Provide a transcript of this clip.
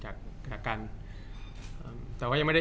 จากความไม่เข้าจันทร์ของผู้ใหญ่ของพ่อกับแม่